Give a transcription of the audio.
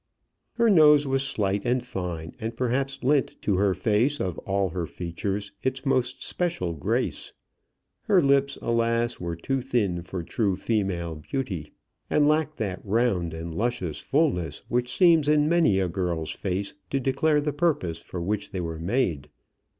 Her nose was slight and fine, and perhaps lent to her face, of all her features, its most special grace. Her lips, alas! were too thin for true female beauty, and lacked that round and luscious fulness which seems in many a girl's face to declare the purpose for which they were made.